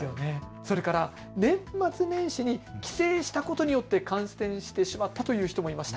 それから年末年始に帰省したことによって感染したという人もいました。